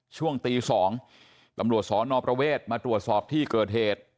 ช่วงตี๒ตำรวจสอนอประเวทมาตรวจสอบที่เกิดเหตุ